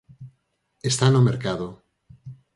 Está no mercado.